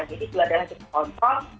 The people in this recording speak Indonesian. jadi gula darah juga terkontrol